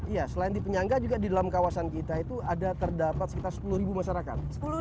iya selain di penyangga juga di dalam kawasan kita itu ada terdapat sekitar sepuluh masyarakat